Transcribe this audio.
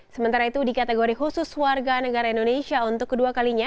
sementara itu di kategori khusus warga negara indonesia untuk kedua kalinya